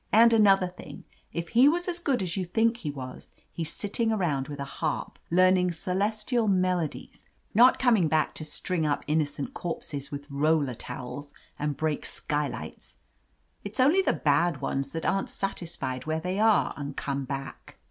And another thing, if he was as good as you think he was, he's sit ting around with a harp, learning celestial mel odies, not coming back to string up innocent corpses with roller towels, and break sky lights. It's only the bad ones that aren't satis fied where they are and come back."